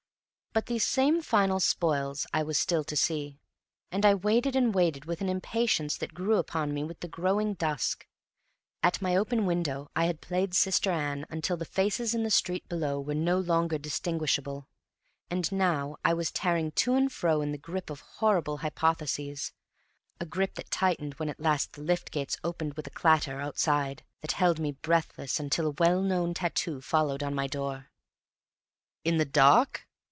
But these same final spoils I was still to see, and I waited and waited with an impatience that grew upon me with the growing dusk. At my open window I had played Sister Ann until the faces in the street below were no longer distinguishable. And now I was tearing to and fro in the grip of horrible hypotheses a grip that tightened when at last the lift gates opened with a clatter outside that held me breathless until a well known tattoo followed on my door. "In the dark!"